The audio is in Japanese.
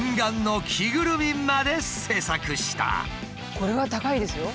これは高いですよ。